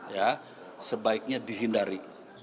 ya sebaiknya dihindari